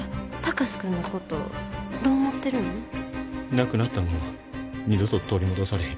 なくなったもんは二度と取り戻されへん。